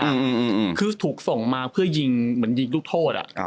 อืมคือถูกส่งมาเพื่อยิงเหมือนยิงลูกโทษอ่ะอ่า